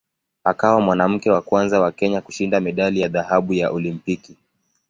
Akawa mwanamke wa kwanza wa Kenya kushinda medali ya dhahabu ya Olimpiki.